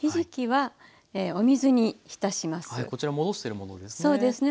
はいこちら戻しているものですね。